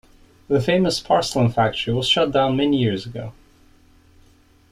The Famous Porcelain Factory was shut down many years ago.